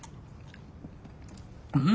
うん。